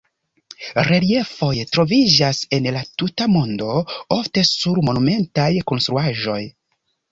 Reliefoj troviĝas en la tuta mondo, ofte sur monumentaj konstruaĵoj.